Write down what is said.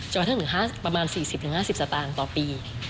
จะมาถึงประมาณ๔๐๕๐สตาร์นต่อปี